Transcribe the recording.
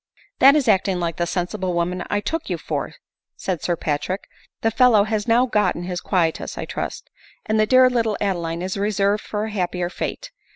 " lliat is acting like the sensible woman I took you for," said Sir Patrick ;" the fellow has now gotten his quietus, I trust, and the dear little Adeline is reserved for a happier fate.